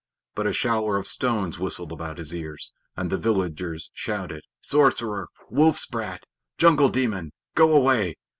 But a shower of stones whistled about his ears, and the villagers shouted: "Sorcerer! Wolf's brat! Jungle demon! Go away!